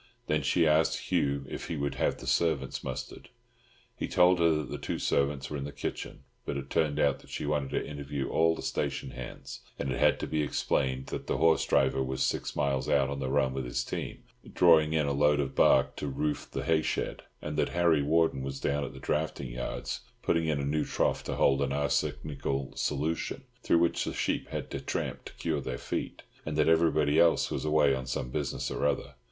Then she asked Hugh if he would have the servants mustered. He told her that the two servants were in the kitchen, but it turned out that she wanted to interview all the station hands, and it had to be explained that the horse driver was six miles out on the run with his team, drawing in a load of bark to roof the hay shed, and that Harry Warden was down at the drafting yards, putting in a new trough to hold an arsenical solution, through which the sheep had to tramp to cure their feet; and that everybody else was away out on some business or other.